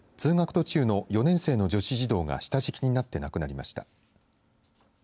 途中の４年生の女子児童が下敷きになって亡くなりました。